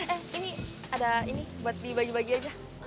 eh ini ada ini buat dibagi bagi aja